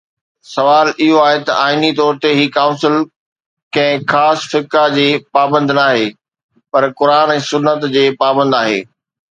سوال اهو آهي ته آئيني طور هي ڪائونسل ڪنهن خاص فقه جي پابند ناهي، پر قرآن ۽ سنت جي پابند آهي.